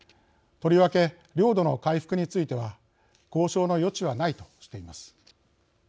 とりわけ領土の回復については交渉の余地はないとしています。